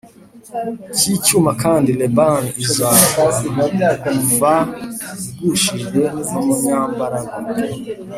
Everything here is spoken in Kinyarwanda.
cy icyuma kandi Libani izagwa f igushijwe n umunyambaraga